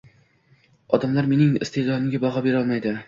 Odamlar mening iste’dodimga baho bera olmaydi.